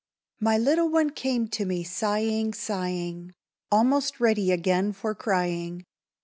My little one came to me sighing, sighing, Almost ready again for crying.